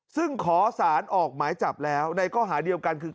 ซึ่งขอสารออกหมายจับแล้วในข้อหาเดียวกันคือ